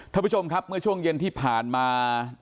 ท่านผู้ชมครับเมื่อช่วงเย็นที่ผ่านมา